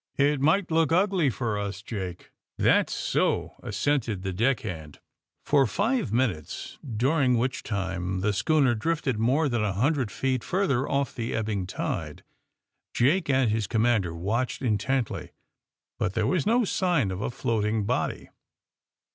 It might look ngly for ns, Jake." ^^ That's so/' assented the deck hand. For ^ve minutes, during which time the schooner drifted more than a hundred feet further off on the ebbing tide, Jake and his com mander watched intently, but there was no sign of a floating body.